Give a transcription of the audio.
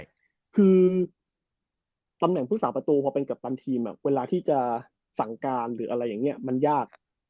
คือตำแหน่งผู้สาประตูพอเป็นกัปตันทีมเวลาที่จะสั่งการหรืออะไรอย่างนี้มันยาก